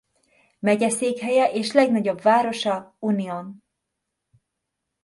Megyeszékhelye és legnagyobb városa Union.